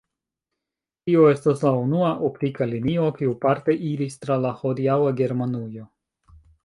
Tio estas la unua optika linio kiu parte iris tra la hodiaŭa Germanujo.